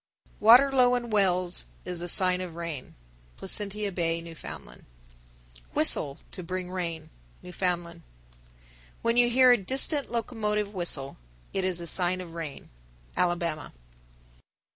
_ 1045. Water low in wells is a sign of rain. Placentia Bay, N.F. 1046. Whistle to bring rain. Newfoundland. 1047. When you hear a distant locomotive whistle, it is a sign of rain. _Alabama.